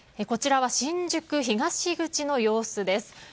こちらは新宿東口の様子です。